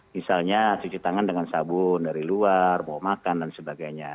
misalnya cuci tangan dengan sabun dari luar mau makan dan sebagainya